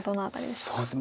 そうですね